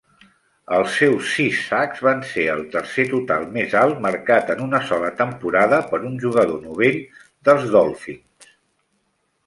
Els seus sis sacs van ser el tercer total més alt marcat en una sola temporada per un jugador novell dels Dolphins.